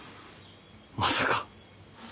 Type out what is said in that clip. まさか。